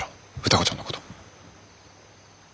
歌子ちゃんのこと。